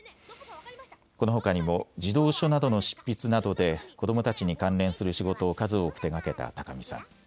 このほかにも児童書などの執筆などで子どもたちに関連する仕事を数多く手がけた高見さん。